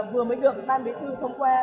vừa mới được ban bí thư thông qua